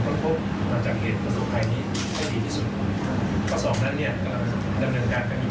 ขอขอบคุณทางภาควิกชนและเรือประมงที่ใกล้เคียง